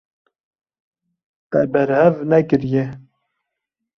Te berhev nekiriye.